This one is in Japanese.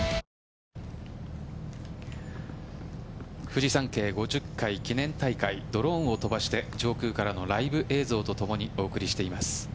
フジサンケイ５０回記念大会ドローンを飛ばして上空からのライブ映像と共にお送りしています。